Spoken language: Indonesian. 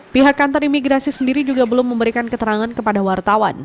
pihak kantor imigrasi sendiri juga belum memberikan keterangan kepada wartawan